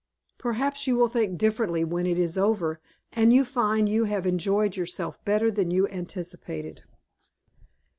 "Perhaps you will think differently when it is over, and you find you have enjoyed yourself better than you anticipated."